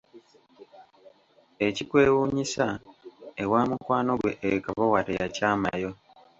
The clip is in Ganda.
Ekikwewuunyisa, ewa mukwano gwe e Kabowa teyakyamayo!